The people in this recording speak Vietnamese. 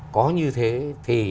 có như thế thì